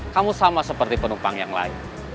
kamu sama seperti penumpang yang lain